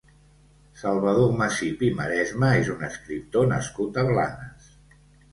Salvador Macip i Maresma és un escriptor nascut a Blanes.